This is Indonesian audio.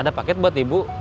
ada paket buat ibu